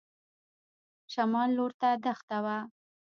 شمال لور ته دښته وه.